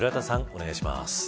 お願いします。